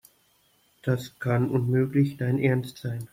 Das kann unmöglich dein Ernst sein.